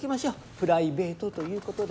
プライベートということで。